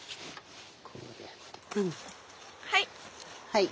はい！